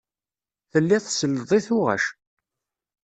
Telliḍ tselleḍ i tuɣac.